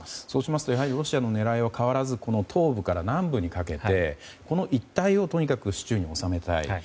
そうしますとやはりロシアの狙いは変わらずこの東部から南部にかけてこの一帯をとにかく手中に収めたい。